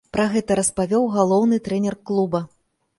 Пра гэта распавёў галоўны трэнер клуба.